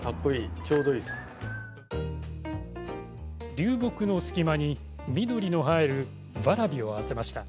流木の隙間に、緑の映えるわらびを合わせました。